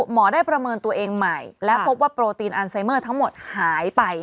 หมอได้ประเมินตัวเองใหม่และพบว่าโปรตีนอันไซเมอร์ทั้งหมดหายไป